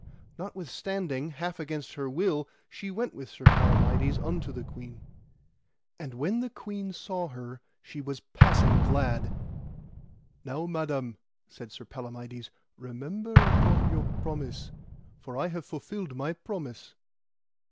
Notwithstanding, half against her will, she went with Sir Palamides unto the queen. And when the queen saw her she was passing glad. Now, Madam, said Palamides, remember upon your promise, for I have fulfilled my promise.